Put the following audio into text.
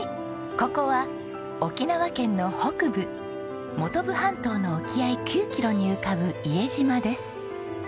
ここは沖縄県の北部本部半島の沖合９キロに浮かぶ伊江島です。